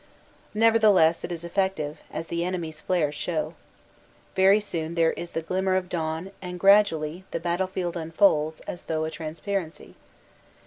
Nevertheless it is effective, as the enemy s flares show. Very soon there is the glimmer of dawn and gradually the battlefield unfolds, as through a transparency.